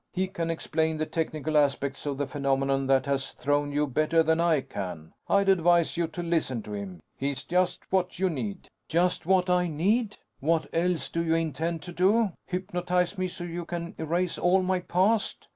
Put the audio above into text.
He can explain the technical aspects of the phenomenon that has thrown you better than I can. I'd advise you to listen to him. He's just what you need." "Just what I need? What else do you intend to do? Hypnotize me, so you can erase all my past?"